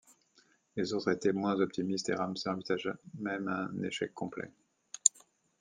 Les autres étaient moins optimistes, et Ramsey envisagea même un échec complet.